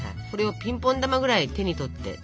それをピンポン玉ぐらい手に取って。